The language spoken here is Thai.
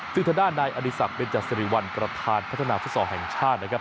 สิทธิดานายอดิษัทเบนยาเสรีวัลประธานพัฒนาฟุตซอลแห่งชาตินะครับ